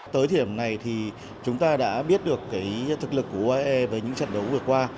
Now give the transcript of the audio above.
tới thiểm này thì chúng ta đã biết được thực lực của uae với những trận đấu vừa qua